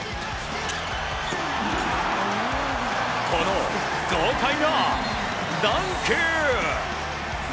この豪快なダンク！